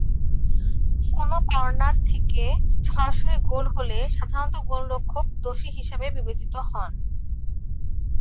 কোনও কর্নার থেকে সরাসরি গোল হলে সাধারণত গোলরক্ষক দোষী হিসাবে বিবেচিত হন।